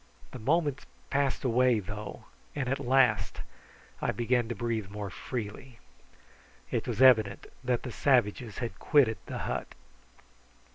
The moments passed away, though, and at last I began to breathe more freely. It was evident that the savages had quitted the hut.